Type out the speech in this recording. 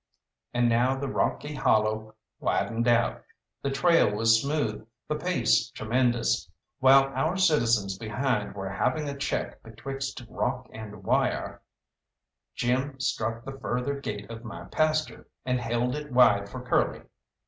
And now the rocky hollow widened out, the trail was smooth, the pace tremendous. While our citizens behind were having a check betwixt rock and wire, Jim struck the further gate of my pasture, and held it wide for Curly.